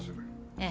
ええ。